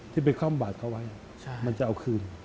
ที่ไปคล่อมบาดเขาไว้มันจะเอาคืน